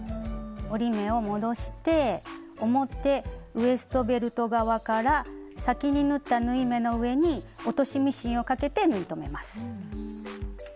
折り目を戻して表ウエストベルト側から先に縫った縫い目の上に落としミシンをかけて縫い留めます。